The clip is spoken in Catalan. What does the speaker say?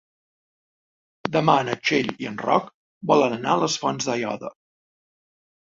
Demà na Txell i en Roc volen anar a les Fonts d'Aiòder.